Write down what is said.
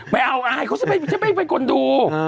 ไม่เอาอายเค้าจะไปกดดู